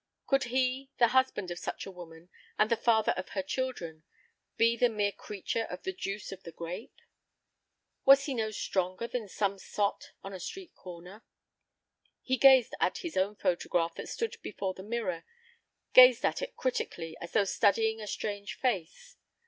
Could he, the husband of such a woman, and the father of her children, be the mere creature of the juice of the grape? Was he no stronger than some sot at a street corner? He gazed at his own photograph that stood before the mirror, gazed at it critically, as though studying a strange face.